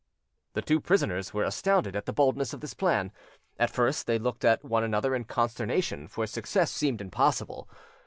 The two prisoners were astounded at the boldness of this plan: at first they looked at one another in consternation, for success seemed impossible.